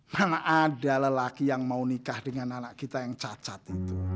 karena ada lelaki yang mau nikah dengan anak kita yang cacat itu